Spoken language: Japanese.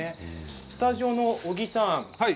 スタジオの小木さん